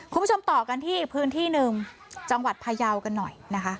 คุณผู้ชมต่อกันที่พื้นที่หนึ่งจังหวัดพยาวกันหน่อยนะคะ